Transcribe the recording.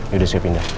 ya udah saya pindah